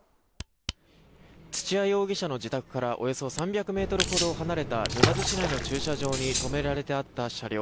土屋容疑者の自宅からおよそ３００ｍほど離れた沼津市内の駐車場に止められてあった車両。